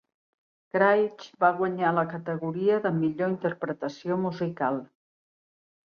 Craig va guanyar la categoria de Millor interpretació musical.